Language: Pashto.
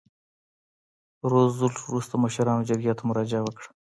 روزولټ وروسته مشرانو جرګې ته مراجعه وکړه.